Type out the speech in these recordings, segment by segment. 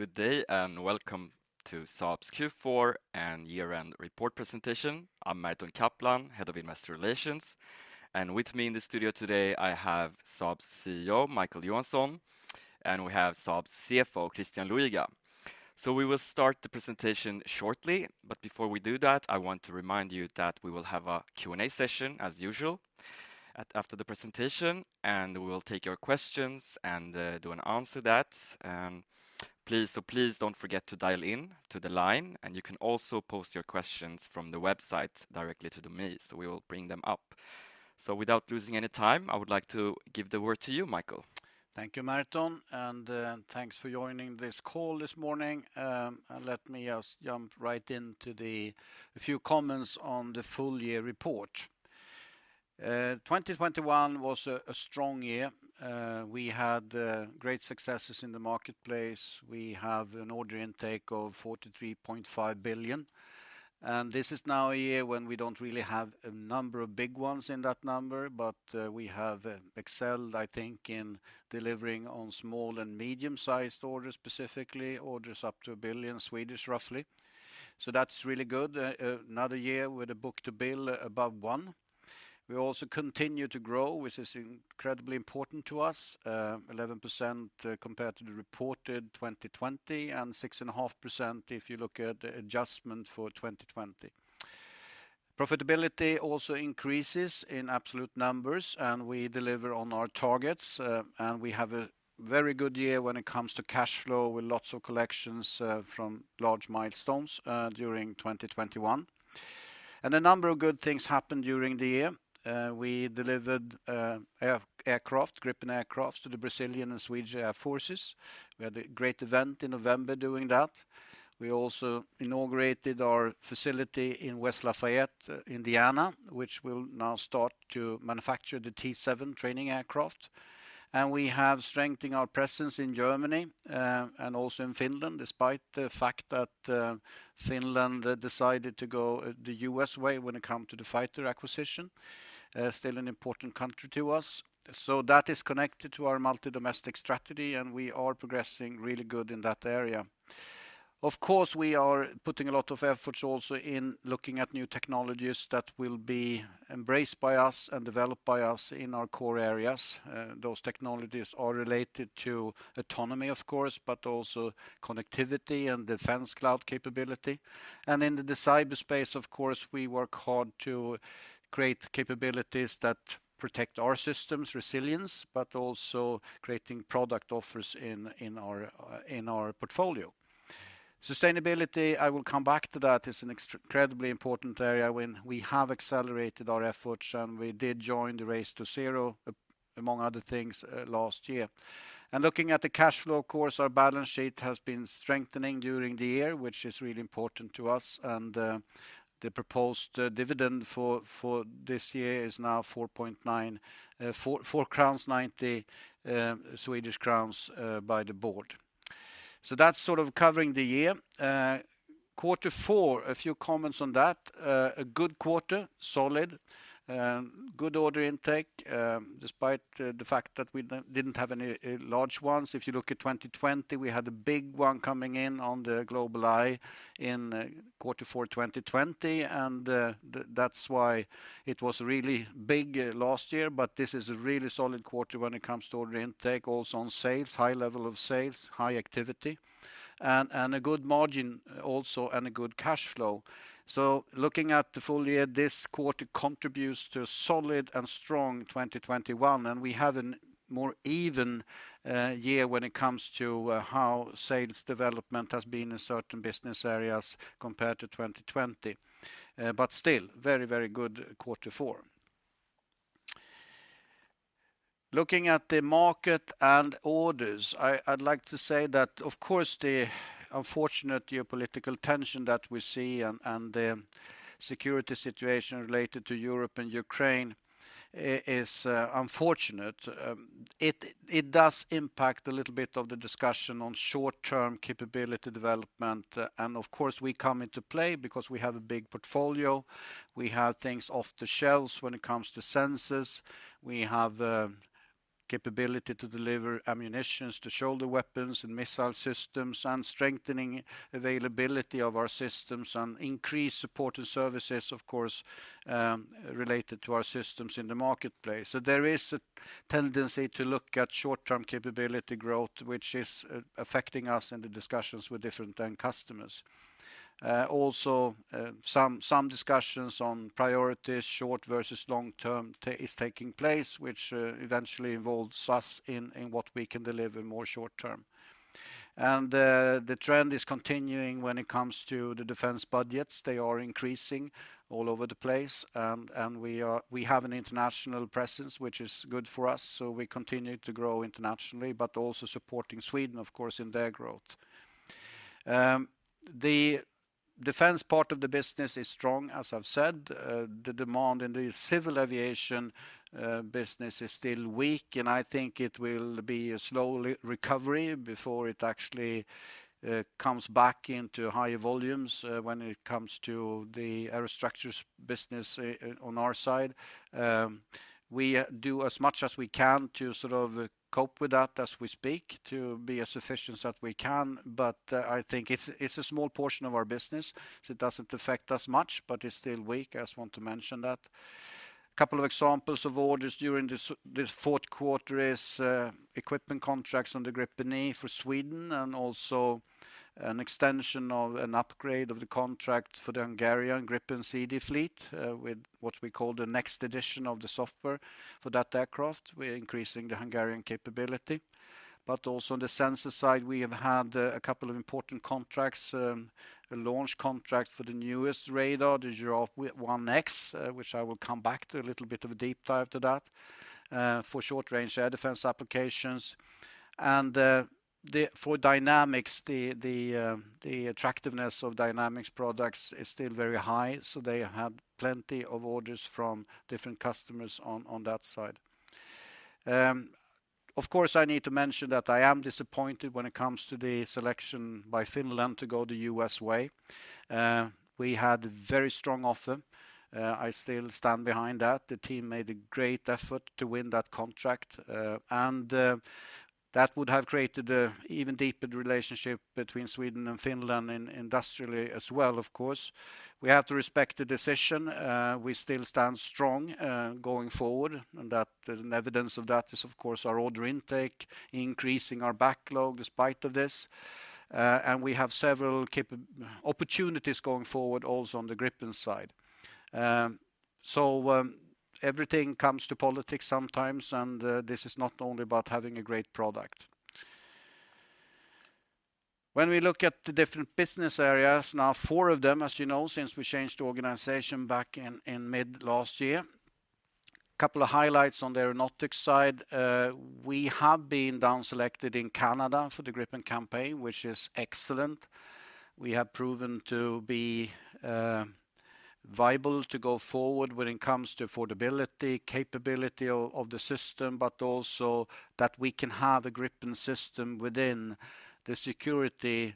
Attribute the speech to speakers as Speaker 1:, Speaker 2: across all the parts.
Speaker 1: Good day, and welcome to Saab's Q4 and year-end report presentation. I'm Merton Kaplan, Head of Investor Relations. With me in the studio today I have Saab's CEO, Micael Johansson, and we have Saab's CFO, Christian Luiga. We will start the presentation shortly, but before we do that, I want to remind you that we will have a Q&A session, as usual, after the presentation, and we will take your questions and answer that. Please don't forget to dial in to the line, and you can also post your questions from the website directly to me, so we will bring them up. Without losing any time, I would like to give the word to you, Micael.
Speaker 2: Thank you, Merton, and thanks for joining this call this morning. Let me just jump right into a few comments on the full year report. 2021 was a strong year. We had great successes in the marketplace. We have an order intake of 43.5 billion. This is now a year when we don't really have a number of big ones in that number, but we have excelled, I think, in delivering on small and medium-sized orders, specifically orders up to 1 billion, roughly. That's really good. Another year with a book-to-bill above one. We also continue to grow, which is incredibly important to us. 11%, compared to the reported 2020, and 6.5% if you look at the adjustment for 2020. Profitability also increases in absolute numbers, and we deliver on our targets, and we have a very good year when it comes to cash flow, with lots of collections, from large milestones, during 2021. A number of good things happened during the year. We delivered aircraft, Gripen aircraft to the Brazilian and Swedish Air Forces. We had a great event in November doing that. We also inaugurated our facility in West Lafayette, Indiana, which will now start to manufacture the T-7 training aircraft. We have strengthened our presence in Germany, and also in Finland, despite the fact that, Finland decided to go the U.S. way when it come to the fighter acquisition. Still an important country to us. That is connected to our multi-domestic strategy, and we are progressing really good in that area. Of course, we are putting a lot of efforts also in looking at new technologies that will be embraced by us and developed by us in our core areas. Those technologies are related to autonomy, of course, but also connectivity and defense cloud capability. In the cyberspace, of course, we work hard to create capabilities that protect our systems' resilience, but also creating product offers in our portfolio. Sustainability, I will come back to that. It's an incredibly important area when we have accelerated our efforts, and we did join the Race to Zero, among other things, last year. Looking at the cash flow, of course, our balance sheet has been strengthening during the year, which is really important to us and the proposed dividend for this year is now 4.90 crowns by the board. That's sort of covering the year. Q4, a few comments on that. A good quarter, solid. Good order intake despite the fact that we didn't have any large ones. If you look at 2020, we had a big one coming in on the GlobalEye in Q4 2020, and that's why it was really big last year. This is a really solid quarter when it comes to order intake. Also on sales, high level of sales, high activity, and a good margin also, and a good cash flow. Looking at the full year, this quarter contributes to a solid and strong 2021, and we have a more even year when it comes to how sales development has been in certain business areas compared to 2020. Still, very good quarter four. Looking at the market and orders, I'd like to say that, of course, the unfortunate geopolitical tension that we see and the security situation related to Europe and Ukraine is unfortunate. It does impact a little bit of the discussion on short-term capability development, and of course, we come into play because we have a big portfolio. We have things off the shelves when it comes to sensors. We have capability to deliver ammunitions to shoulder weapons and missile systems, and strengthening availability of our systems, and increased support and services, of course, related to our systems in the marketplace. There is a tendency to look at short-term capability growth, which is affecting us in the discussions with different end customers. Also, some discussions on priorities, short versus long term, is taking place, which eventually involves us in what we can deliver more short term. The trend is continuing when it comes to the defense budgets. They are increasing all over the place, and we have an international presence, which is good for us. We continue to grow internationally, but also supporting Sweden, of course, in their growth. The defense part of the business is strong, as I've said. The demand in the civil aviation business is still weak, and I think it will be a slow recovery before it actually comes back into higher volumes when it comes to the Aerostructures business on our side. We do as much as we can to sort of cope with that as we speak, to be as efficient as we can, but I think it's a small portion of our business, so it doesn't affect us much. But it's still weak, I just want to mention that. A couple of examples of orders during this Q4 is equipment contracts on the Gripen E for Sweden and also an extension of an upgrade of the contract for the Hungarian Gripen C/D fleet with what we call the next edition of the software for that aircraft. We're increasing the Hungarian capability. Also on the sensor side, we have had a couple of important contracts, a launch contract for the newest radar, the Giraffe 1X, which I will come back to, a little bit of a deep dive to that, for short-range air defense applications. For Dynamics, the attractiveness of Dynamics products is still very high, so they had plenty of orders from different customers on that side. Of course, I need to mention that I am disappointed when it comes to the selection by Finland to go the U.S. way. We had a very strong offer. I still stand behind that. The team made a great effort to win that contract, that would have created an even deeper relationship between Sweden and Finland industrially as well, of course. We have to respect the decision. We still stand strong going forward, and that an evidence of that is of course our order intake, increasing our backlog despite of this. We have several opportunities going forward also on the Gripen side. Everything comes to politics sometimes, and this is not only about having a great product. When we look at the different business areas, now four of them, as you know, since we changed organization back in mid-last year. Couple of highlights on the Aeronautics side. We have been down-selected in Canada for the Gripen campaign, which is excellent. We have proven to be viable to go forward when it comes to affordability, capability of the system, but also that we can have a Gripen system within the security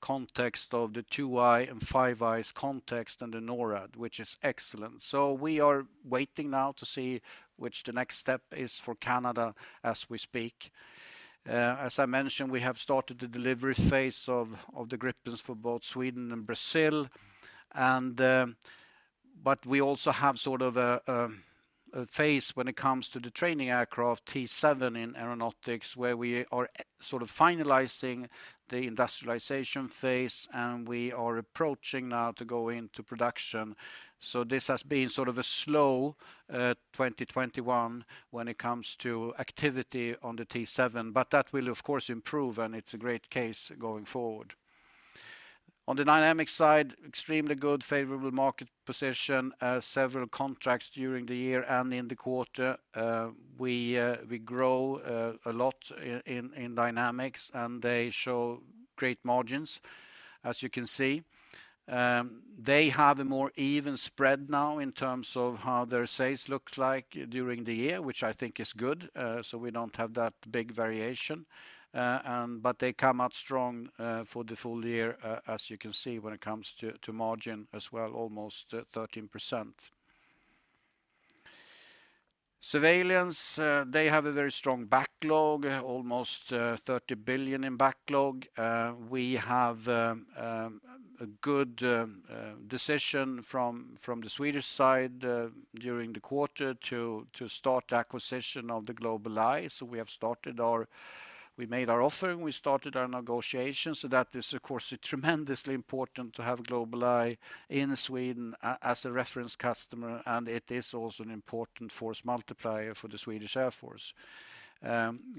Speaker 2: context of the Two Eyes and Five Eyes context and the NORAD, which is excellent. We are waiting now to see which the next step is for Canada as we speak. As I mentioned, we have started the delivery phase of the Gripens for both Sweden and Brazil, but we also have sort of a phase when it comes to the training aircraft, T-7 in Aeronautics, where we are sort of finalizing the industrialization phase, and we are approaching now to go into production. This has been sort of a slow 2021 when it comes to activity on the T-7, but that will of course improve, and it's a great case going forward. On the Dynamics side, extremely good favorable market position, several contracts during the year and in the quarter. We grow a lot in Dynamics, and they show great margins, as you can see. They have a more even spread now in terms of how their sales looks like during the year, which I think is good, so we don't have that big variation. But they come out strong for the full year, as you can see when it comes to margin as well, almost at 13%. Surveillance, they have a very strong backlog, almost 30 billion in backlog. We have a good decision from the Swedish side during the quarter to start acquisition of the GlobalEye. We made our offer, and we started our negotiations, that is of course tremendously important to have GlobalEye in Sweden as a reference customer, and it is also an important force multiplier for the Swedish Air Force.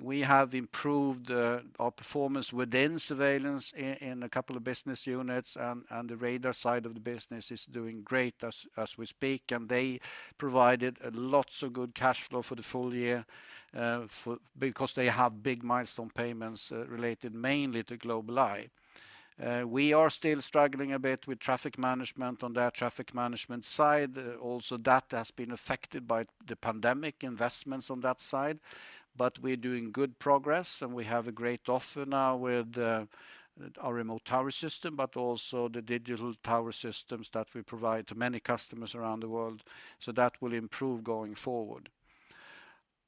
Speaker 2: We have improved our performance within surveillance in a couple of business units and the radar side of the business is doing great as we speak, and they provided lots of good cash flow for the full year because they have big milestone payments related mainly to GlobalEye. We are still struggling a bit with traffic management on the air traffic management side. Also that has been affected by the pandemic investments on that side. We're doing good progress, and we have a great offer now with, our remote tower system, but also the digital tower systems that we provide to many customers around the world. That will improve going forward.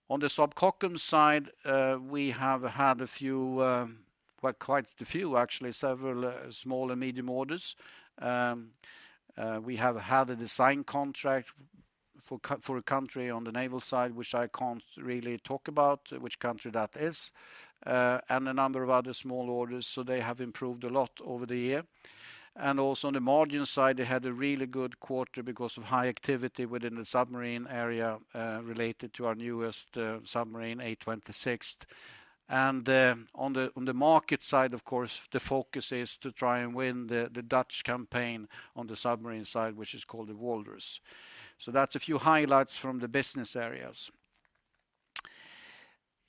Speaker 2: On the Saab Kockums side, we have had a few, well, quite a few actually, several, small and medium orders. We have had a design contract for a country on the naval side, which I can't really talk about which country that is, and a number of other small orders. They have improved a lot over the year. Also on the margin side, they had a really good quarter because of high activity within the submarine area, related to our newest submarine, A26. On the market side, of course, the focus is to try and win the Dutch campaign on the submarine side, which is called the Walrus. That's a few highlights from the business areas.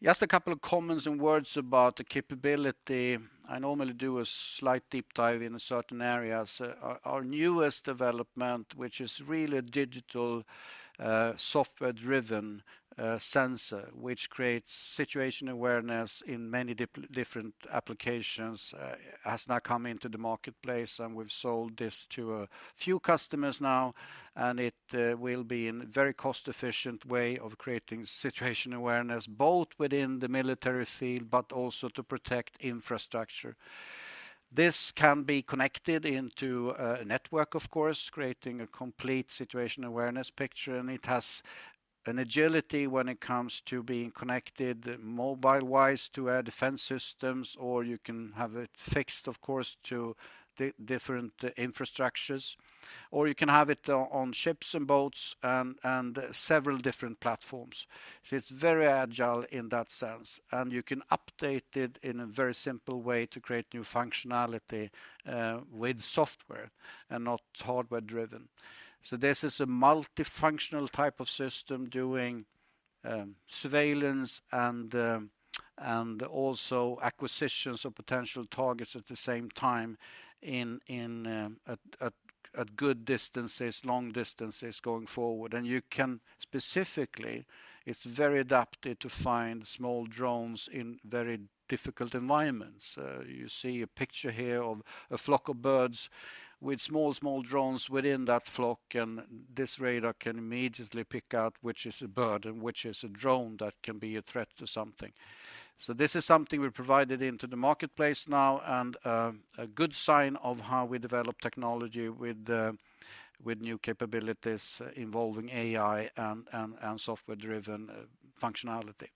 Speaker 2: Just a couple of comments and words about the capability. I normally do a slight deep dive in certain areas. Our newest development, which is really a digital software-driven sensor, which creates situation awareness in many different applications, has now come into the marketplace, and we've sold this to a few customers now, and it will be a very cost-efficient way of creating situation awareness, both within the military field, but also to protect infrastructure. This can be connected into a network, of course, creating a complete situation awareness picture, and it has an agility when it comes to being connected mobile-wise to air defense systems, or you can have it fixed, of course, to the different infrastructures. Or you can have it on ships and boats and several different platforms. It's very agile in that sense, and you can update it in a very simple way to create new functionality with software and not hardware driven. This is a multifunctional type of system doing surveillance and also acquisitions of potential targets at the same time at good distances, long distances going forward. Specifically, it's very adapted to find small drones in very difficult environments. You see a picture here of a flock of birds with small drones within that flock, and this radar can immediately pick out which is a bird and which is a drone that can be a threat to something. This is something we provided into the marketplace now and a good sign of how we develop technology with new capabilities involving AI and software-driven functionality.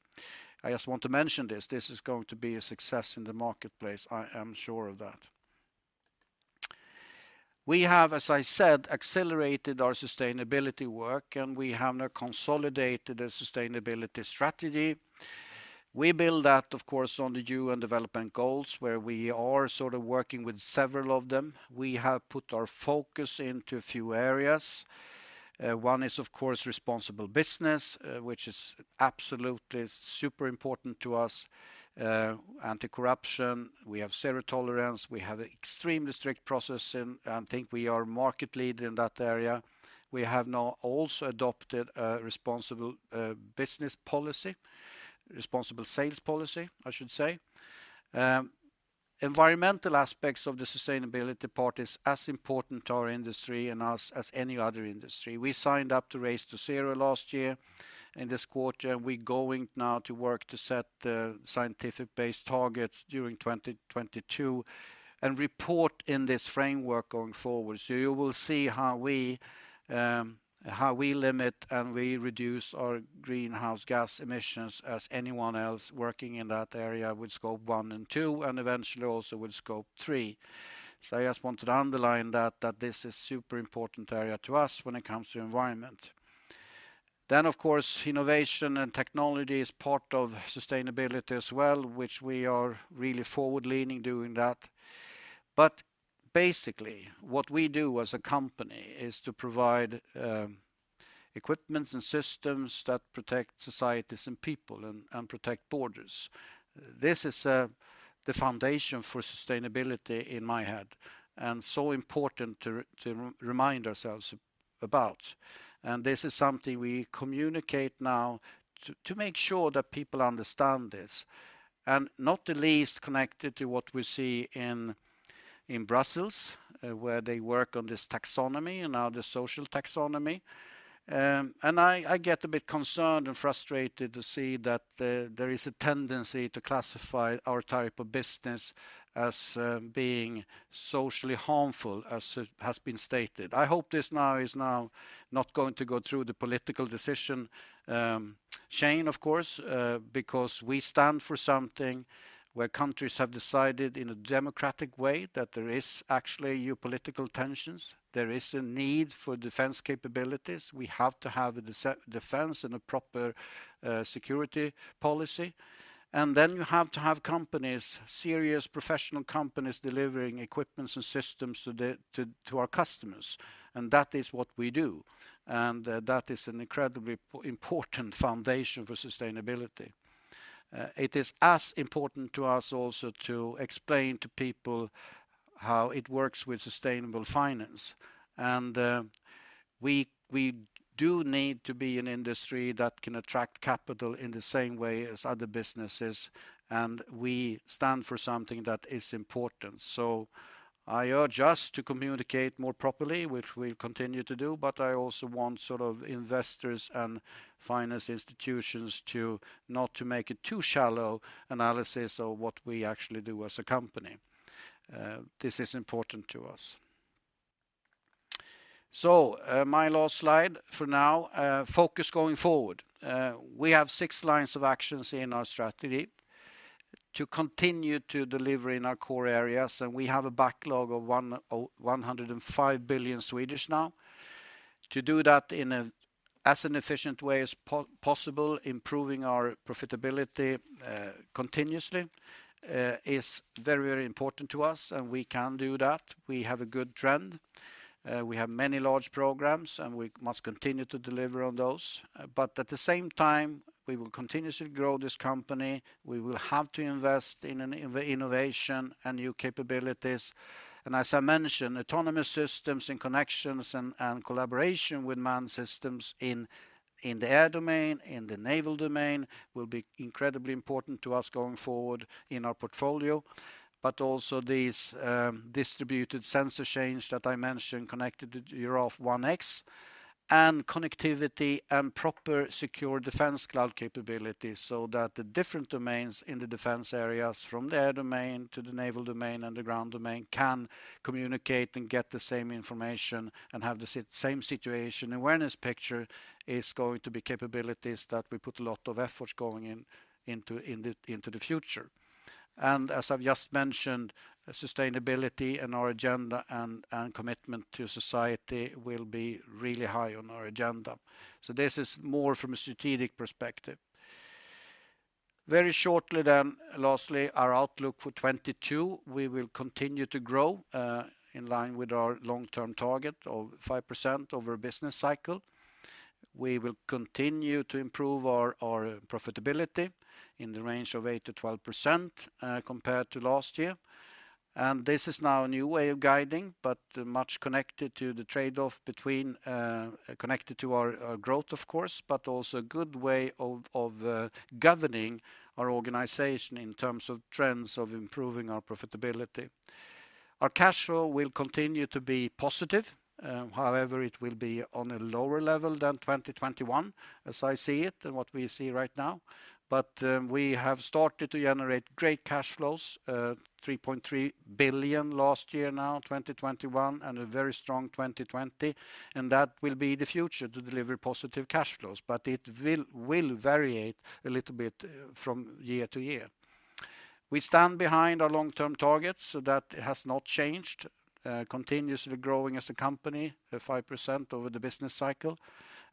Speaker 2: I just want to mention this. This is going to be a success in the marketplace, I am sure of that. We have, as I said, accelerated our sustainability work, and we have now consolidated a sustainability strategy. We build that, of course, on the UN development goals, where we are sort of working with several of them. We have put our focus into a few areas. One is, of course, responsible business, which is absolutely super important to us. Anti-corruption, we have zero tolerance. We have extreme strict processing. I think we are market leader in that area. We have now also adopted a responsible business policy, responsible sales policy, I should say. Environmental aspects of the sustainability part is as important to our industry and us as any other industry. We signed up to Race to Zero last year in this quarter, and we're going now to work to set scientific-based targets during 2022 and report in this framework going forward. You will see how we limit and we reduce our greenhouse gas emissions as anyone else working in that area with Scope 1 and 2 and eventually also with Scope 3. I just want to underline that this is super important area to us when it comes to environment. Of course, innovation and technology is part of sustainability as well, which we are really forward-leaning doing that. Basically, what we do as a company is to provide equipments and systems that protect societies and people and protect borders. This is the foundation for sustainability in my head and so important to remind ourselves about. This is something we communicate now to make sure that people understand this, and not the least connected to what we see in Brussels, where they work on this taxonomy and now the social taxonomy. I get a bit concerned and frustrated to see that there is a tendency to classify our type of business as being socially harmful as it has been stated. I hope this now is not going to go through the political decision chain, of course, because we stand for something where countries have decided in a democratic way that there is actually new political tensions, there is a need for defense capabilities. We have to have a defense and a proper security policy. Then you have to have companies, serious professional companies, delivering equipment and systems to our customers, and that is what we do. That is an incredibly important foundation for sustainability. It is as important to us also to explain to people how it works with sustainable finance. We do need to be an industry that can attract capital in the same way as other businesses, and we stand for something that is important. I urge us to communicate more properly, which we'll continue to do, but I also want sort of investors and financial institutions to not make a too shallow analysis of what we actually do as a company. This is important to us. My last slide for now, focus going forward. We have six lines of actions in our strategy to continue to deliver in our core areas, and we have a backlog of 105 billion. To do that in as an efficient way as possible, improving our profitability continuously, is very important to us, and we can do that. We have a good trend. We have many large programs, and we must continue to deliver on those. But at the same time, we will continuously grow this company. We will have to invest in innovation and new capabilities. As I mentioned, autonomous systems and connections and collaboration with manned systems in the air domain, in the naval domain, will be incredibly important to us going forward in our portfolio. Also these distributed sensor chains that I mentioned connected to Giraffe 1X and connectivity and proper secure defense cloud capabilities so that the different domains in the defense areas from the air domain to the naval domain and the ground domain can communicate and get the same information and have the same situation awareness picture is going to be capabilities that we put a lot of efforts into in the into the future. As I've just mentioned, sustainability and our agenda and commitment to society will be really high on our agenda. This is more from a strategic perspective. Very shortly, lastly, our outlook for 2022, we will continue to grow in line with our long-term target of 5% over a business cycle. We will continue to improve our profitability in the range of 8%-12%, compared to last year. This is now a new way of guiding, but much connected to the trade-off between connected to our growth, of course, but also a good way of governing our organization in terms of trends of improving our profitability. Our cash flow will continue to be positive, however, it will be on a lower level than 2021 as I see it and what we see right now. We have started to generate great cash flows, 3.3 billion last year, 2021, and a very strong 2020. That will be the future to deliver positive cash flows. It will vary a little bit from year-to-year. We stand behind our long-term targets, so that has not changed, continuously growing as a company at 5% over the business cycle.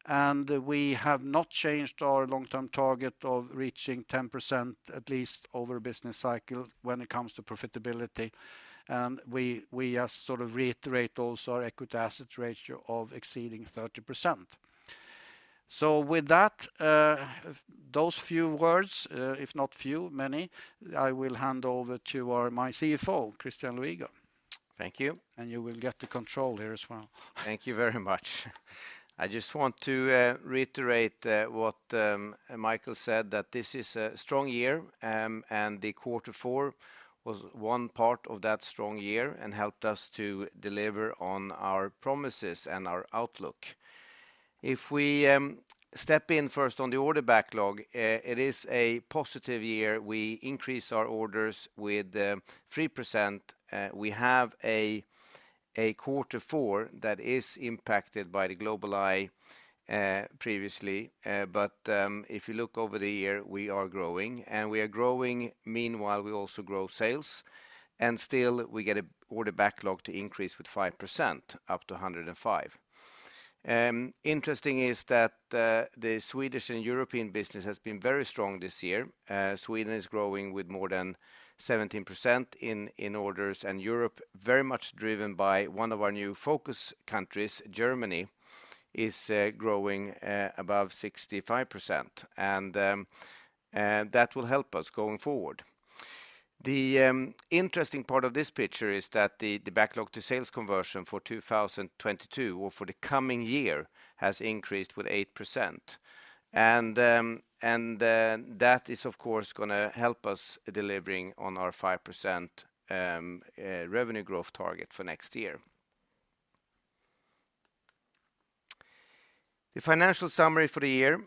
Speaker 2: We have not changed our long-term target of reaching 10% at least over a business cycle when it comes to profitability. We just sort of reiterate also our equity asset ratio of exceeding 30%. With that, those few words, if not few, many, I will hand over to my CFO, Christian Luiga.
Speaker 3: Thank you.
Speaker 2: You will get the control here as well.
Speaker 3: Thank you very much. I just want to reiterate what Micael said that this is a strong year, and the Q4 was one part of that strong year and helped us to deliver on our promises and our outlook. If we step in first on the order backlog, it is a positive year. We increase our orders with 3%. We have a Q4 that is impacted by the GlobalEye previously. But if you look over the year, we are growing. Meanwhile, we also grow sales, and still we get our order backlog to increase with 5% up to 105 billion. Interesting is that the Swedish and European business has been very strong this year. Sweden is growing with more than 17% in orders, and Europe very much driven by one of our new focus countries, Germany, is growing above 65%, and that will help us going forward. The interesting part of this picture is that the backlog to sales conversion for 2022 or for the coming year has increased with 8%. That is, of course, gonna help us delivering on our 5% revenue growth target for next year. The financial summary for the year,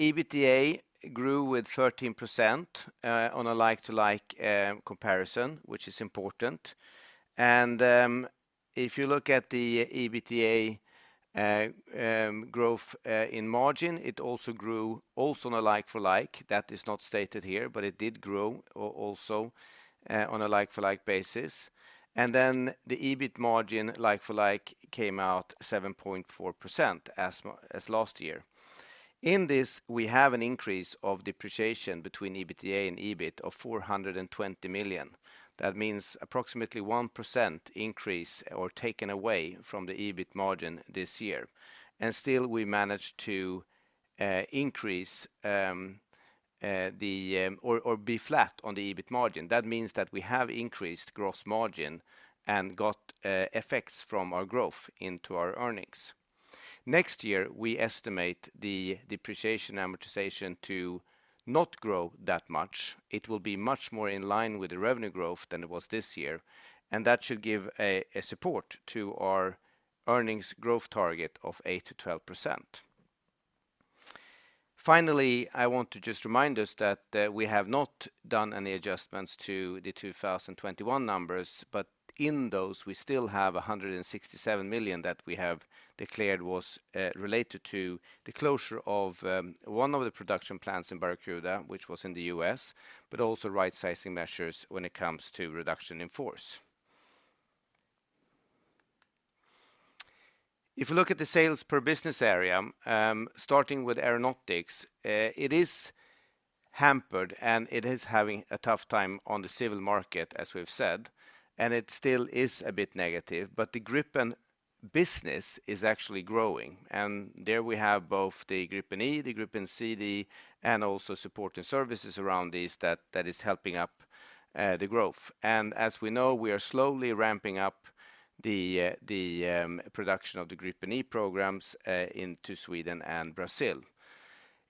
Speaker 3: EBITDA grew with 13% on a like-for-like comparison, which is important. If you look at the EBITDA growth in margin, it also grew on a like-for-like. That is not stated here, but it did grow also on a like-for-like basis. Then the EBIT margin like-for-like came out 7.4% as last year. In this, we have an increase of depreciation between EBITDA and EBIT of 420 million. That means approximately 1% increase or taken away from the EBIT margin this year. Still we manage to increase or be flat on the EBIT margin. That means that we have increased gross margin and got effects from our growth into our earnings. Next year, we estimate the depreciation and amortization to not grow that much. It will be much more in line with the revenue growth than it was this year, and that should give a support to our earnings growth target of 8%-12%. Finally, I want to just remind us that we have not done any adjustments to the 2021 numbers, but in those, we still have 167 million that we have declared was related to the closure of one of the production plants in Barracuda, which was in the U.S., but also right-sizing measures when it comes to reduction in force. If you look at the sales per business area, starting with Aeronautics, it is hampered, and it is having a tough time on the civil market, as we've said, and it still is a bit negative. The Gripen business is actually growing. There we have both the Gripen E, the Gripen C, D, and also supporting services around these that is helping up the growth. As we know, we are slowly ramping up the production of the Gripen E programs into Sweden and Brazil.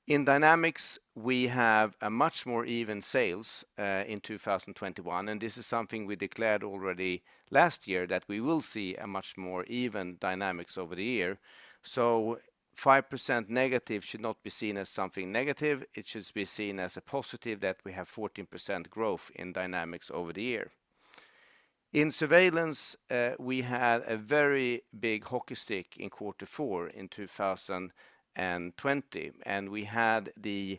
Speaker 3: In Dynamics, we have a much more even sales in 2021, and this is something we declared already last year that we will see a much more even dynamics over the year. Five percent negative should not be seen as something negative. It should be seen as a positive that we have 14% growth in Dynamics over the year. In Surveillance, we had a very big hockey stick in Q4 in 2020, and we had the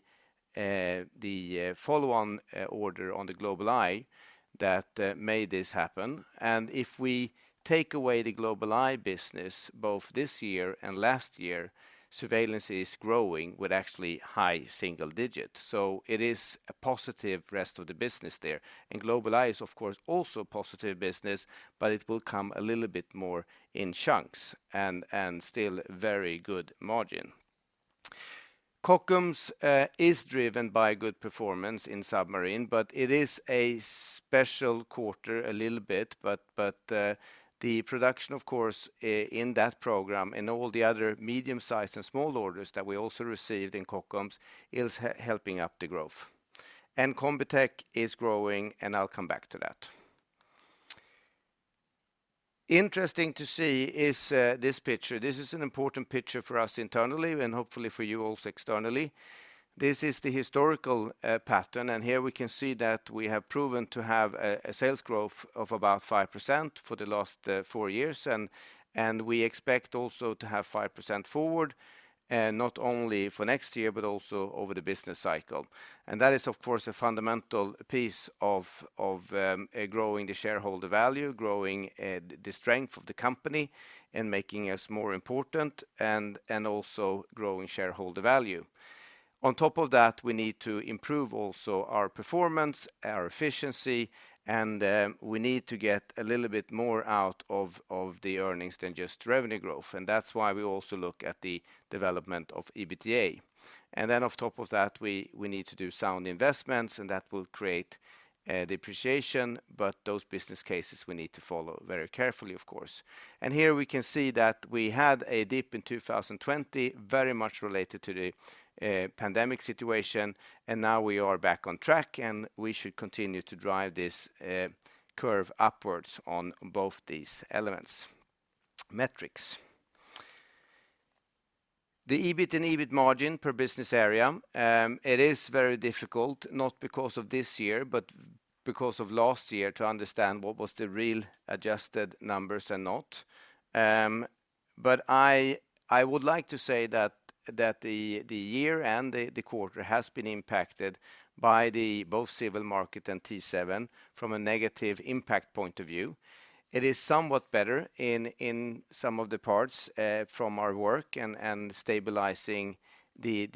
Speaker 3: follow-on order on the GlobalEye that made this happen. If we take away the GlobalEye business both this year and last year, Surveillance is growing with actually high single digits. It is a positive rest of the business there. GlobalEye is of course also a positive business, but it will come a little bit more in chunks and still very good margin. Kockums is driven by good performance in submarine, but it is a special quarter a little bit. The production, of course, in that program and all the other medium size and small orders that we also received in Kockums is helping up the growth. Combitech is growing, and I'll come back to that. Interesting to see is this picture. This is an important picture for us internally and hopefully for you also externally. This is the historical pattern, and here we can see that we have proven to have a sales growth of about 5% for the last four years and we expect also to have 5% forward, not only for next year but also over the business cycle. That is, of course, a fundamental piece of growing the shareholder value, growing the strength of the company and making us more important and also growing shareholder value. On top of that, we need to improve also our performance, our efficiency, and we need to get a little bit more out of the earnings than just revenue growth, and that's why we also look at the development of EBITDA. We need to do sound investments, and that will create depreciation, but those business cases we need to follow very carefully, of course. Here we can see that we had a dip in 2020, very much related to the pandemic situation, and now we are back on track, and we should continue to drive this curve upwards on both these elements, metrics. The EBIT and EBIT margin per business area, it is very difficult, not because of this year but because of last year, to understand what was the real adjusted numbers and not. But I would like to say that the year and the quarter has been impacted by both the civil market and T-7 from a negative impact point of view. It is somewhat better in some of the parts from our work and stabilizing both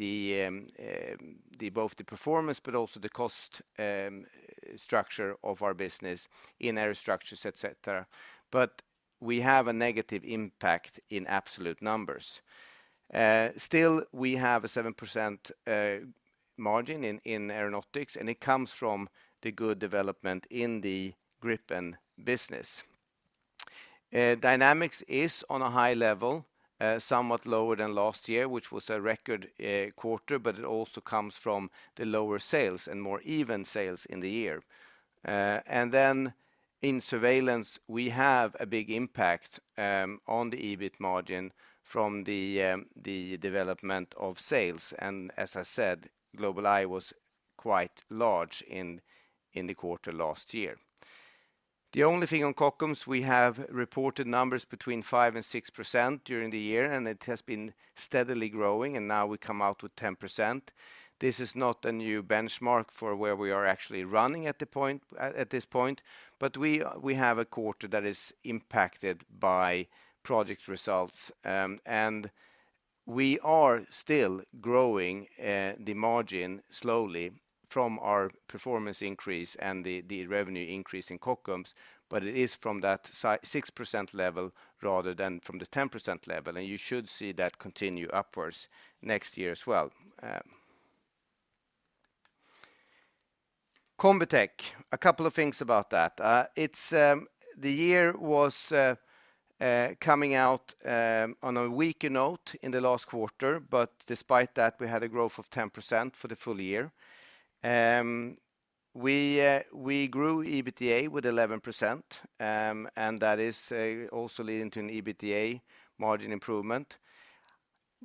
Speaker 3: the performance but also the cost structure of our business in Aerostructures, et cetera. We have a negative impact in absolute numbers. Still, we have a 7% margin in Aeronautics, and it comes from the good development in the Gripen business. Dynamics is on a high level, somewhat lower than last year, which was a record quarter, but it also comes from the lower sales and more even sales in the year. In Surveillance, we have a big impact on the EBIT margin from the development of sales. As I said, GlobalEye was quite large in the quarter last year. The only thing on Kockums, we have reported numbers between 5% and 6% during the year, and it has been steadily growing, and now we come out with 10%. This is not a new benchmark for where we are actually running at this point, but we have a quarter that is impacted by project results. We are still growing the margin slowly from our performance increase and the revenue increase in Kockums, but it is from that 6% level rather than from the 10% level, and you should see that continue upwards next year as well. Combitech, a couple of things about that. The year was coming out on a weaker note in the last quarter, but despite that, we had a growth of 10% for the full year. We grew EBITDA with 11%, and that is also leading to an EBITDA margin improvement.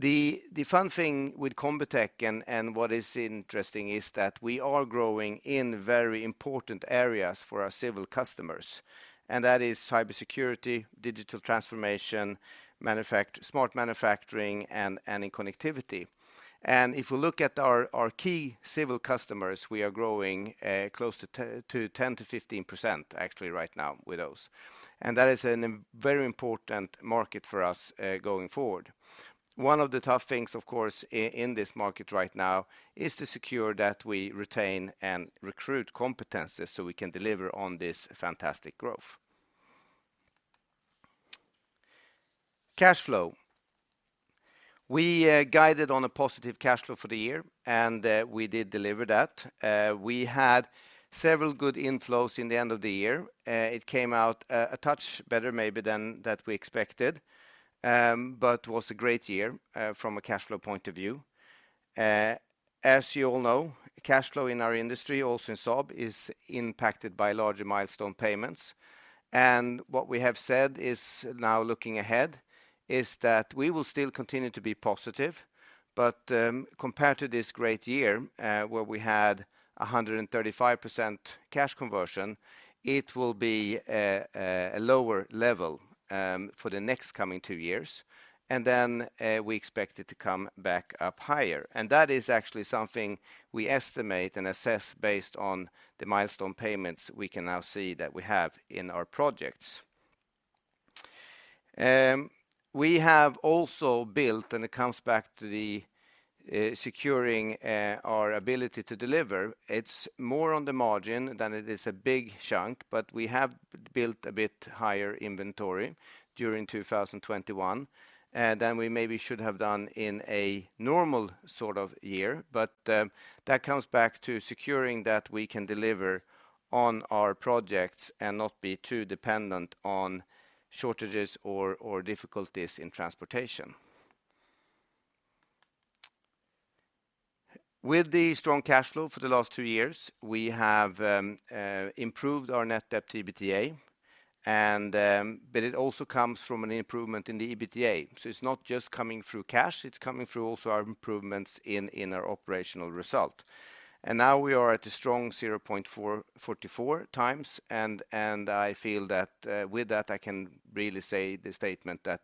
Speaker 3: The fun thing with Combitech and what is interesting is that we are growing in very important areas for our civil customers, and that is cybersecurity, digital transformation, smart manufacturing, and in connectivity. If we look at our key civil customers, we are growing close to 10%-15% actually right now with those. That is a very important market for us going forward. One of the tough things, of course, in this market right now is to secure that we retain and recruit competencies so we can deliver on this fantastic growth. Cash flow. We guided on a positive cash flow for the year, and we did deliver that. We had several good inflows in the end of the year. It came out a touch better maybe than that we expected, but was a great year from a cash flow point of view. As you all know, cash flow in our industry, also in Saab, is impacted by larger milestone payments. What we have said is now looking ahead is that we will still continue to be positive, but compared to this great year where we had 135% cash conversion, it will be a lower level for the next coming two years, and then we expect it to come back up higher. That is actually something we estimate and assess based on the milestone payments we can now see that we have in our projects. We have also built, and it comes back to the securing our ability to deliver, it's more on the margin than it is a big chunk, but we have built a bit higher inventory during 2021 than we maybe should have done in a normal sort of year. That comes back to securing that we can deliver on our projects and not be too dependent on shortages or difficulties in transportation. With the strong cash flow for the last two years, we have improved our net debt to EBITDA and but it also comes from an improvement in the EBITDA. It's not just coming through cash, it's coming through also our improvements in our operational result. Now we are at a strong 0.44x and I feel that with that I can really say the statement that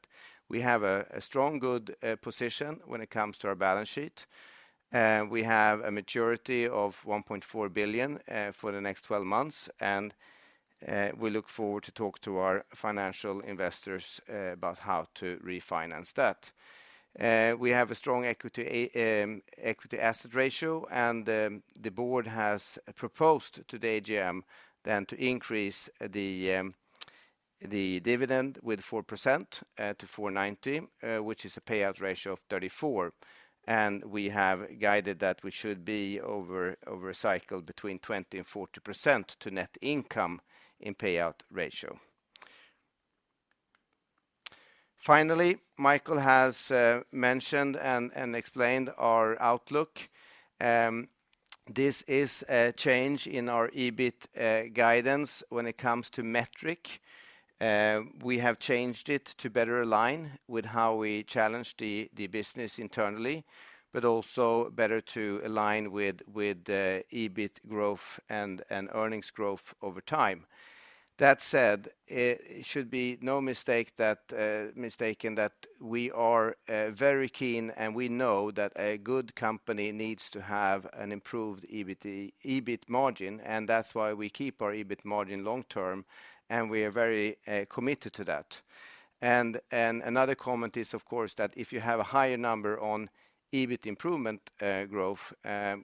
Speaker 3: we have a strong good position when it comes to our balance sheet. We have a maturity of 1.4 billion for the next 12 months, and we look forward to talk to our financial investors about how to refinance that. We have a strong equity asset ratio and the board has proposed to the AGM to increase the dividend with 4% to 4.90, which is a payout ratio of 34%, and we have guided that we should be over a cycle between 20%-40% to net income in payout ratio. Finally, Micael has mentioned and explained our outlook. This is a change in our EBIT guidance when it comes to metrics. We have changed it to better align with how we challenge the business internally, but also better to align with the EBIT growth and earnings growth over time. That said, it should be no mistake that we are very keen, and we know that a good company needs to have an improved EBIT margin, and that's why we keep our EBIT margin long term, and we are very committed to that. Another comment is, of course, that if you have a higher number on EBIT improvement, growth,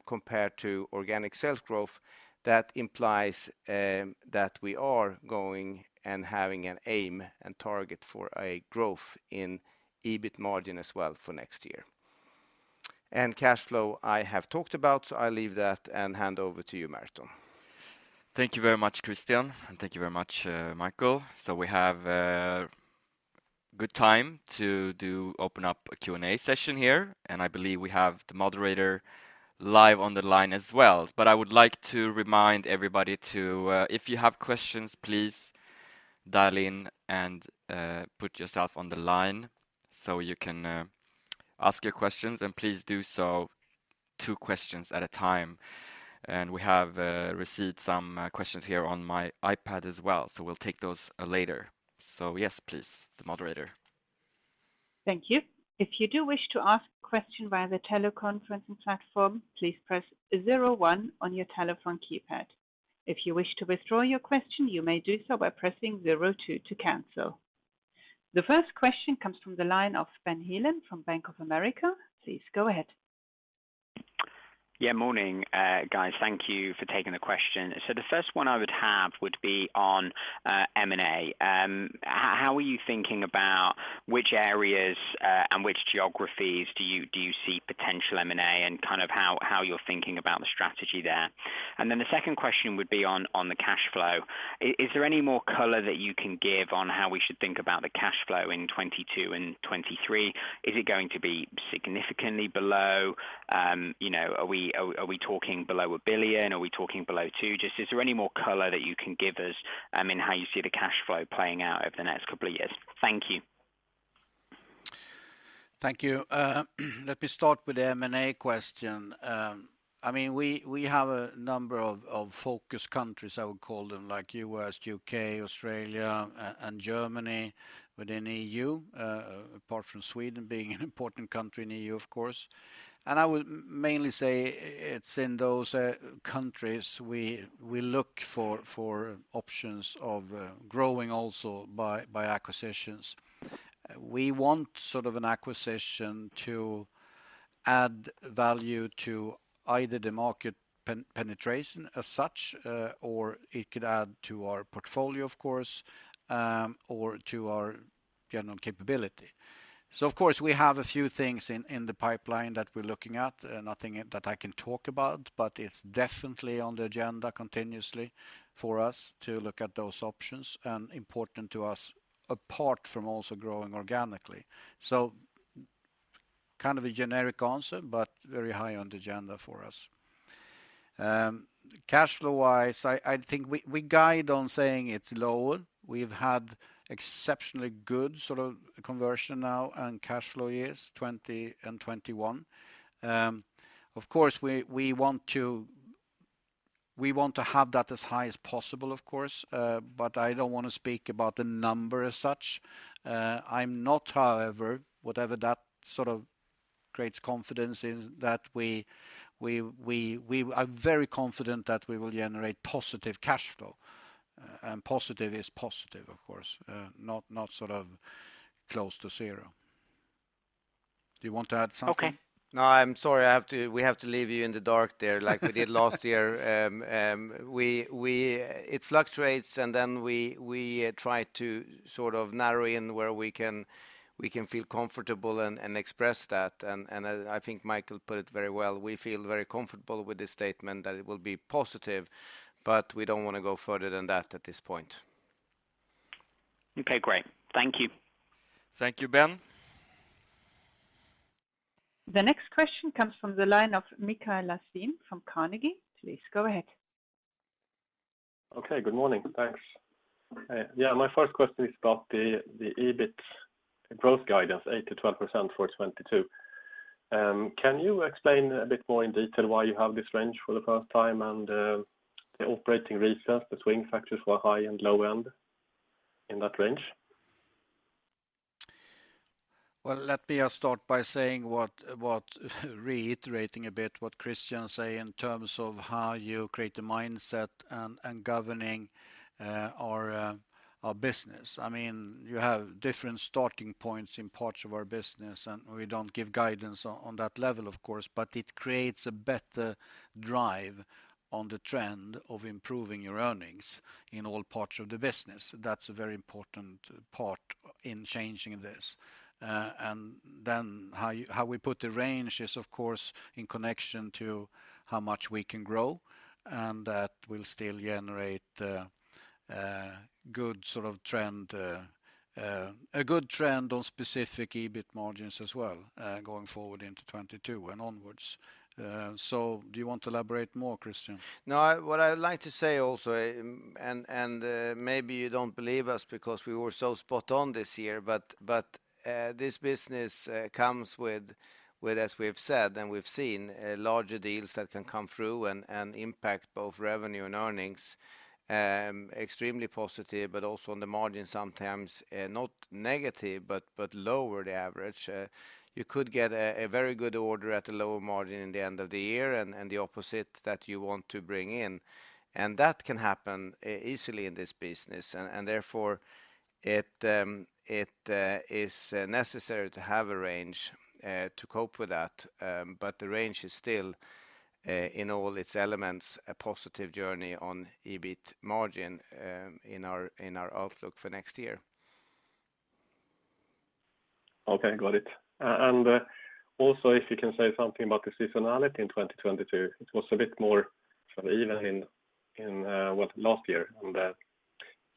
Speaker 3: compared to organic sales growth, that implies that we are going and having an aim and target for a growth in EBIT margin as well for next year. Cash flow I have talked about, so I leave that and hand over to you, Merton.
Speaker 1: Thank you very much, Christian, and thank you very much, Micael. We have a good time to open up a Q&A session here, and I believe we have the moderator live on the line as well. I would like to remind everybody to, if you have questions, please dial in and, put yourself on the line so you can, ask your questions, and please do so two questions at a time. We have received some questions here on my iPad as well, so we'll take those, later. Yes, please, the moderator.
Speaker 4: Thank you. If you do wish to ask question by the teleconferencing platform please press zero one on your telephone keypad. If you wish to withdraw your question you may do so by pressing zero two to cancel. The first question comes from the line of Ben Heelan from Bank of America. Please go ahead.
Speaker 5: Yeah. Morning, guys. Thank you for taking the question. The first one I would have would be on M&A. How are you thinking about which areas and which geographies do you see potential M&A and kind of how you're thinking about the strategy there? Then the second question would be on the cash flow. Is there any more color that you can give on how we should think about the cash flow in 2022 and 2023? Is it going to be significantly below? You know, are we talking below 1 billion? Are we talking below 2 billion? Just, is there any more color that you can give us, I mean, how you see the cash flow playing out over the next couple of years? Thank you.
Speaker 2: Thank you. Let me start with the M&A question. I mean, we have a number of focus countries, I would call them, like U.S., U.K., Australia, and Germany within EU, apart from Sweden being an important country in EU, of course. I would mainly say it's in those countries we look for options of growing also by acquisitions. We want sort of an acquisition to add value to either the market penetration as such, or it could add to our portfolio, of course, or to our general capability. Of course, we have a few things in the pipeline that we're looking at. Nothing that I can talk about, but it's definitely on the agenda continuously for us to look at those options and important to us apart from also growing organically. Kind of a generic answer, but very high on the agenda for us. Cash flow-wise, I think we guide on saying it's lower. We've had exceptionally good sort of conversion now and cash flow years, 2020 and 2021. Of course, we want to have that as high as possible, of course, but I don't want to speak about the number as such. I'm not, however, whatever that sort of creates confidence in that we are very confident that we will generate positive cash flow. Positive is positive, of course, not sort of close to zero. Do you want to add something?
Speaker 5: Okay.
Speaker 3: No, I'm sorry, we have to leave you in the dark there like we did last year. It fluctuates, and then we try to sort of narrow in where we can, we can feel comfortable and express that and I think Micael put it very well. We feel very comfortable with the statement that it will be positive, but we don't wanna go further than that at this point.
Speaker 5: Okay, great. Thank you.
Speaker 2: Thank you, Ben.
Speaker 4: The next question comes from the line of Mikael Laséen from Carnegie. Please go ahead.
Speaker 6: Good morning. Thanks. My first question is about the EBIT growth guidance, 8%-12% for 2022. Can you explain a bit more in detail why you have this range for the first time and the operating leverage? What are the swing factors at the high and low end in that range?
Speaker 2: Well, let me start by saying reiterating a bit what Christian say in terms of how you create the mindset and governing our business. I mean, you have different starting points in parts of our business, and we don't give guidance on that level, of course. It creates a better drive on the trend of improving your earnings in all parts of the business. That's a very important part in changing this. How we put the range is, of course, in connection to how much we can grow, and that will still generate a good trend on specific EBIT margins as well, going forward into 2022 and onwards. Do you want to elaborate more, Christian?
Speaker 3: No, what I would like to say also, maybe you don't believe us because we were so spot on this year, but this business comes with, as we've said, and we've seen, larger deals that can come through and impact both revenue and earnings extremely positive, but also on the margin sometimes, not negative, but lower the average. You could get a very good order at a lower margin in the end of the year and the opposite that you want to bring in. That can happen easily in this business. Therefore, it is necessary to have a range to cope with that. The range is still, in all its elements, a positive journey on EBIT margin, in our outlook for next year.
Speaker 6: Okay, got it. Also if you can say something about the seasonality in 2022. It was a bit more sort of even in last year.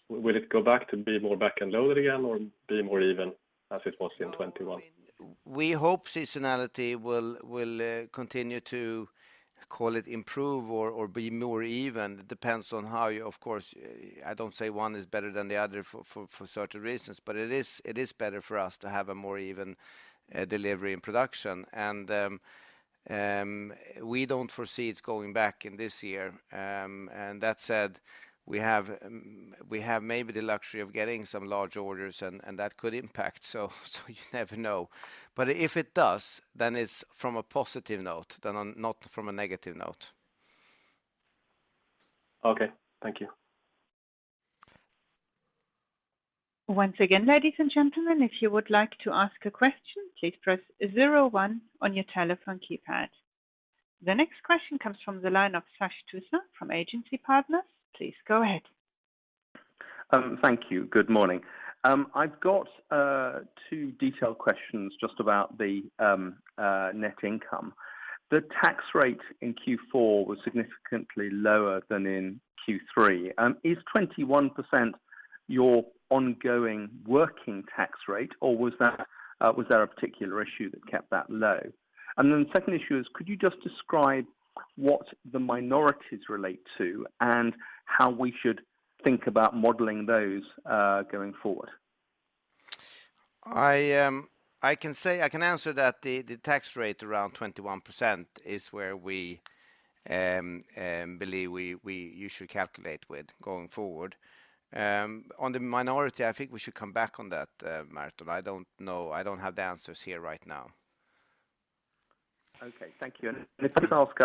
Speaker 6: Will it go back to be more back-ended loaded again or be more even as it was in 2021?
Speaker 3: Well, I mean, we hope seasonality will continue to call it improve or be more even. Depends on how you, of course. I don't say one is better than the other for certain reasons, but it is better for us to have a more even delivery and production. We don't foresee it's going back in this year. And that said, we have maybe the luxury of getting some large orders and that could impact, so you never know. If it does, then it's from a positive note than not from a negative note.
Speaker 6: Okay, thank you.
Speaker 4: Once again, ladies and gentlemen, if you would like to ask a question, please press zero one on your telephone keypad. The next question comes from the line of Sash Tusa from Agency Partners. Please go ahead.
Speaker 7: Thank you. Good morning. I've got two detailed questions just about the net income. The tax rate in Q4 was significantly lower than in Q3. Is 21% your ongoing working tax rate, or was there a particular issue that kept that low? The second issue is could you just describe what the minorities relate to and how we should think about modeling those going forward?
Speaker 3: I can answer that the tax rate around 21% is where we believe you should calculate with going forward. On the minority, I think we should come back on that, Merton. I don't know. I don't have the answers here right now.
Speaker 7: Okay, thank you. If I could ask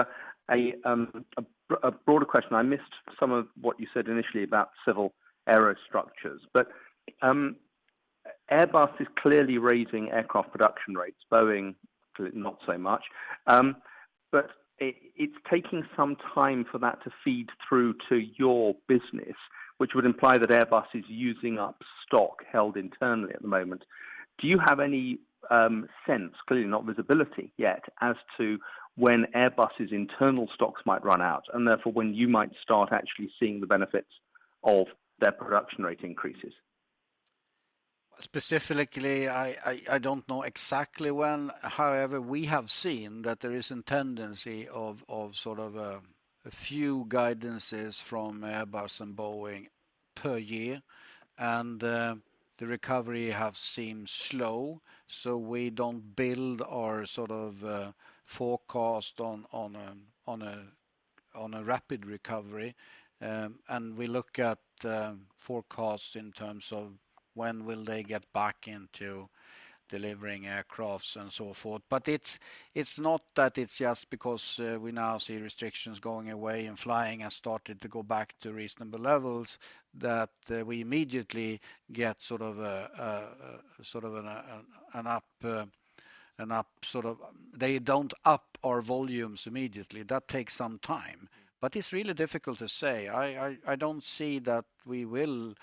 Speaker 7: a broader question. I missed some of what you said initially about civil aerostructures. Airbus is clearly raising aircraft production rates. Boeing not so much. It's taking some time for that to feed through to your business, which would imply that Airbus is using up stock held internally at the moment. Do you have any sense, clearly not visibility yet, as to when Airbus's internal stocks might run out, and therefore when you might start actually seeing the benefits of their production rate increases?
Speaker 2: Specifically, I don't know exactly when. However, we have seen that there is a tendency of sort of a few guidances from Airbus and Boeing per year, and the recovery has seemed slow. We don't build our sort of forecast on a rapid recovery, and we look at forecasts in terms of when they will get back into delivering aircraft and so forth. It's not that it's just because we now see restrictions going away and flying has started to go back to reasonable levels that we immediately get sort of an upturn. They don't up our volumes immediately. That takes some time. It's really difficult to say. I don't see that we will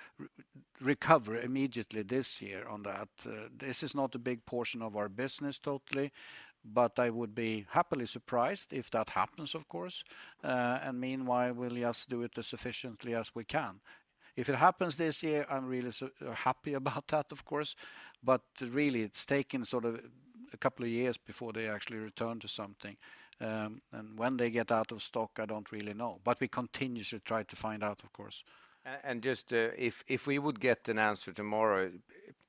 Speaker 2: recover immediately this year on that. This is not a big portion of our business totally, but I would be happily surprised if that happens, of course. Meanwhile, we'll just do it as sufficiently as we can. If it happens this year, I'm really happy about that of course. Really, it's taken sort of a couple of years before they actually return to something. When they get out of stock, I don't really know, but we continue to try to find out, of course.
Speaker 3: Just if we would get an answer tomorrow,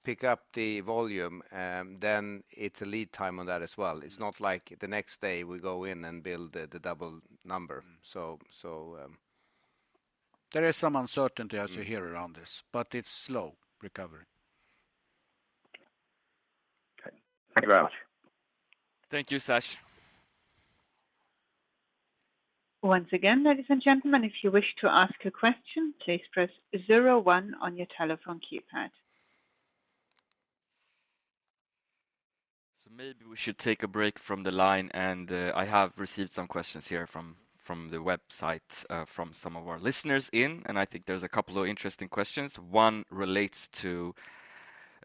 Speaker 3: pick up the volume, then it's a lead time on that as well. It's not like the next day we go in and build the double number. So-
Speaker 2: There is some uncertainty as you hear around this, but it's slow recovery.
Speaker 7: Okay. Thank you very much.
Speaker 1: Thank you, Sash.
Speaker 4: Once again, ladies and gentlemen, if you wish to ask a question, please press zero one on your telephone keypad.
Speaker 1: Maybe we should take a break from the line and I have received some questions here from the website from some of our listeners in and I think there's a couple of interesting questions. One relates to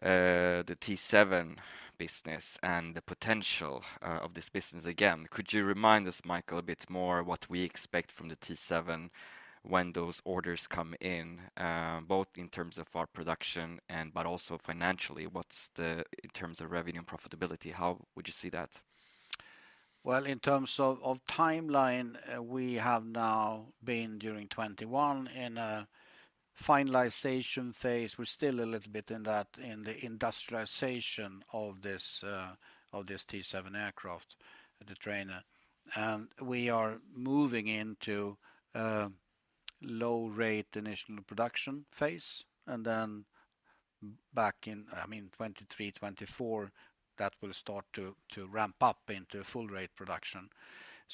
Speaker 1: the T-7 business and the potential of this business. Again, could you remind us, Micael, a bit more what we expect from the T-7 when those orders come in both in terms of our production and but also financially, what's in terms of revenue and profitability, how would you see that?
Speaker 2: Well, in terms of timeline, we have now been during 2021 in a finalization phase. We're still a little bit in that, in the industrialization of this T-7 aircraft, the trainer. We are moving into low rate initial production phase, and then back in, I mean, 2023, 2024, that will start to ramp up into full rate production.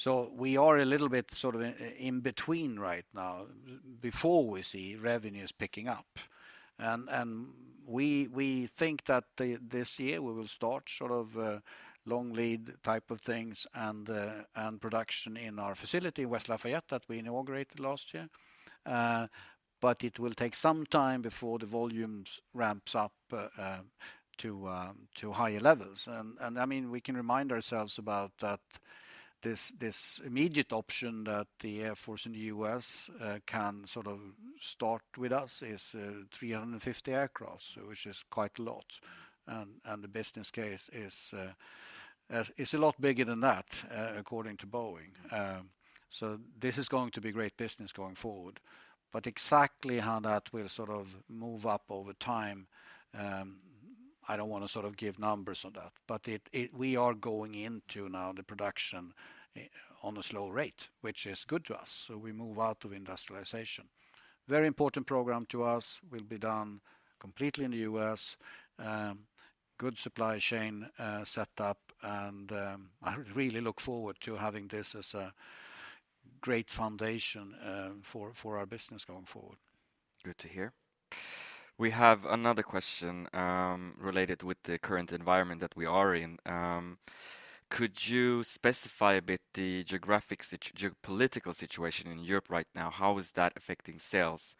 Speaker 2: We are a little bit sort of in between right now, before we see revenues picking up. We think that this year we will start sort of long lead type of things and production in our facility in West Lafayette that we inaugurated last year. But it will take some time before the volumes ramps up to higher levels. I mean, we can remind ourselves about that this immediate option that the Air Force in the U.S. can sort of start with us is 350 aircraft, which is quite a lot. The business case is a lot bigger than that, according to Boeing. This is going to be great business going forward. But exactly how that will sort of move up over time, I don't wanna sort of give numbers on that. But it, we are going into now the production at a low rate, which is good to us. We move out of industrialization. Very important program to us, will be done completely in the U.S., good supply chain set up, and I really look forward to having this as a great foundation for our business going forward.
Speaker 1: Good to hear. We have another question, related with the current environment that we are in. Could you specify a bit the geopolitical situation in Europe right now? How is that affecting sales?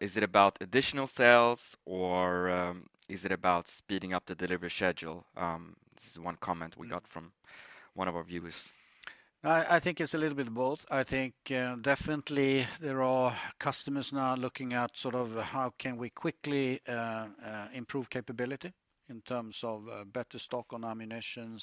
Speaker 1: Is it about additional sales or, is it about speeding up the delivery schedule? This is one comment we got from one of our viewers.
Speaker 2: I think it's a little bit of both. I think definitely there are customers now looking at sort of how can we quickly improve capability in terms of better stock on ammunition,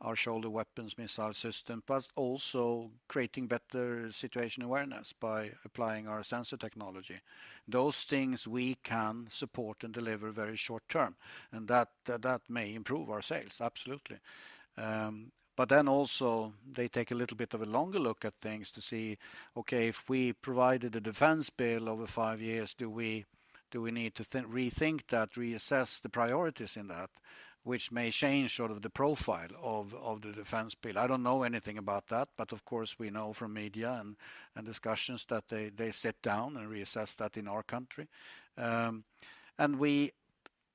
Speaker 2: our shoulder weapons missile system, but also creating better situation awareness by applying our sensor technology. Those things we can support and deliver very short term, and that may improve our sales, absolutely. Also they take a little bit of a longer look at things to see, okay, if we provided a defense bill over five years, do we need to rethink that, reassess the priorities in that, which may change sort of the profile of the defense bill. I don't know anything about that, but of course, we know from media and discussions that they sit down and reassess that in our country. We,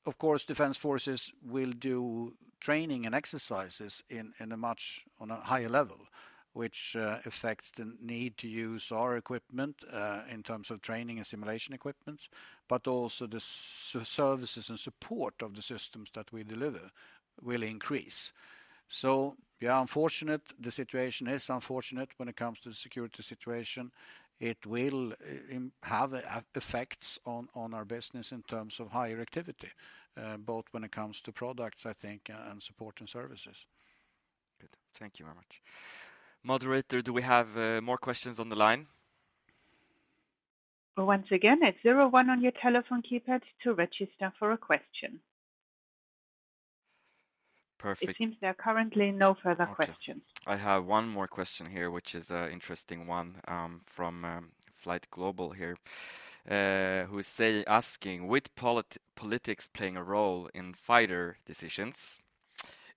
Speaker 2: of course, defense forces will do training and exercises on a much higher level, which affects the need to use our equipment in terms of training and simulation equipment, but also the services and support of the systems that we deliver will increase. Yeah, unfortunate, the situation is unfortunate when it comes to the security situation. It will have effects on our business in terms of higher activity both when it comes to products, I think, and support and services.
Speaker 1: Good. Thank you very much. Moderator, do we have more questions on the line?
Speaker 4: Once again, it's zero one on your telephone keypad to register for a question.
Speaker 1: Perfect.
Speaker 4: It seems there are currently no further questions.
Speaker 1: Okay. I have one more question here, which is an interesting one, from FlightGlobal here, asking, "With politics playing a role in fighter decisions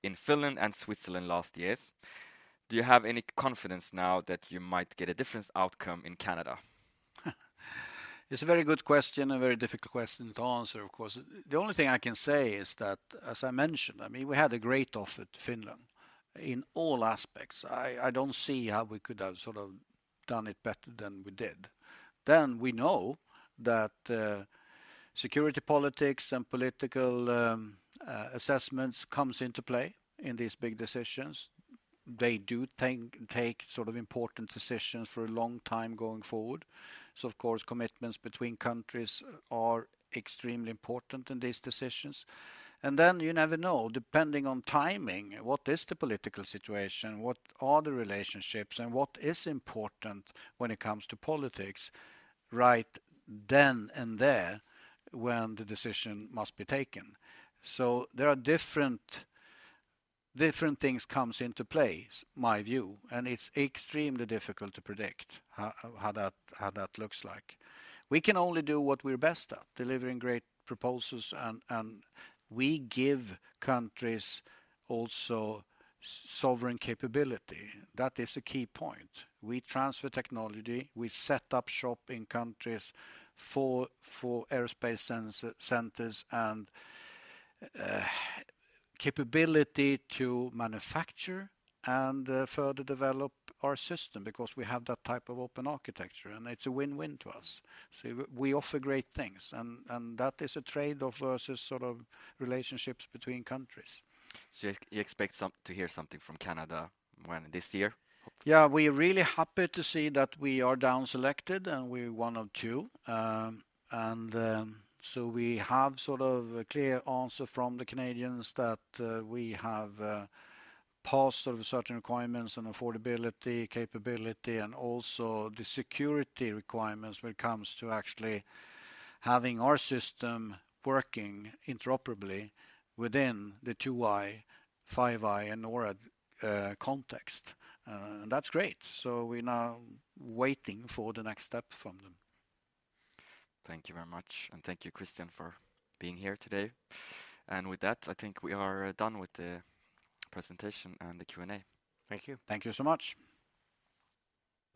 Speaker 1: in Finland and Switzerland last years, do you have any confidence now that you might get a different outcome in Canada?"
Speaker 2: It's a very good question, a very difficult question to answer, of course. The only thing I can say is that, as I mentioned, I mean, we had a great offer to Finland in all aspects. I don't see how we could have sort of done it better than we did. We know that, security politics and political assessments comes into play in these big decisions. They do take sort of important decisions for a long time going forward. Of course, commitments between countries are extremely important in these decisions. You never know, depending on timing, what is the political situation? What are the relationships? What is important when it comes to politics right then and there when the decision must be taken? There are different things comes into play, is my view, and it's extremely difficult to predict how that looks like. We can only do what we're best at, delivering great proposals and we give countries also sovereign capability. That is a key point. We transfer technology, we set up shop in countries for aerospace centers and capability to manufacture and further develop our system because we have that type of open architecture, and it's a win-win to us. We offer great things and that is a trade-off versus sort of relationships between countries.
Speaker 1: You expect to hear something from Canada when? This year, hopefully?
Speaker 2: Yeah. We're really happy to see that we are down selected, and we're one of two. We have sort of a clear answer from the Canadians that we have passed sort of certain requirements and affordability, capability, and also the security requirements when it comes to actually having our system working interoperably within the Two Eyes, Five Eyes, and NORAD context. That's great. We're now waiting for the next step from them.
Speaker 1: Thank you very much and thank you, Christian, for being here today. With that, I think we are done with the presentation and the Q&A.
Speaker 3: Thank you.
Speaker 2: Thank you so much.